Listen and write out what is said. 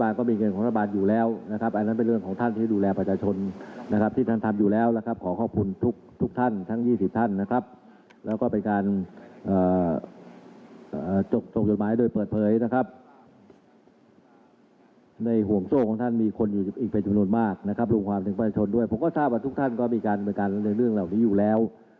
เราก็ทราบว่าทุกท่านก็มีการบริการในเรื่องเหล่านี้อยู่แล้ว